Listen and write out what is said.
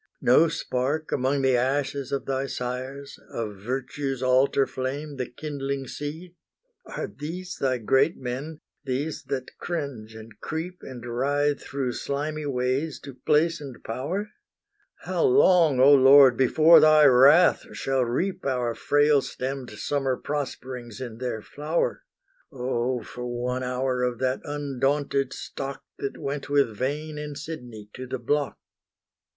No spark among the ashes of thy sires, Of Virtue's altar flame the kindling seed? Are these thy great men, these that cringe and creep, And writhe through slimy ways to place and power? How long, O Lord, before thy wrath shall reap Our frail stemmed summer prosperings in their flower? O for one hour of that undaunted stock That went with Vane and Sydney to the block!